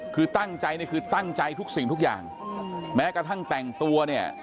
คือตั้งใจนี่คือตั้งใจทุกสิ่งทุกอย่างแม้กระทั่งแต่งตัวเนี่ย